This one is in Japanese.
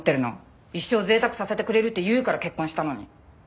一生贅沢させてくれるって言うから結婚したのに。